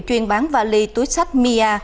chuyên bán vali túi sách mia